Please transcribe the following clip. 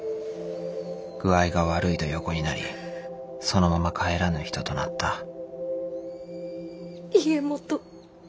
具合が悪いと横になりそのまま帰らぬ人となった家基。